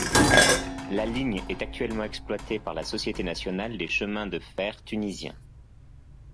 La ligne est actuellement exploitée par la Société nationale des chemins de fer tunisiens.